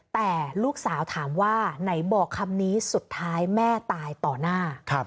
แต่ลูกสาวถามว่าไหนบอกคำนี้สุดท้ายแม่ตายต่อหน้า